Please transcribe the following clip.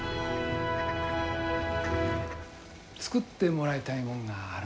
作ってもらいたいもんがあるんだけど。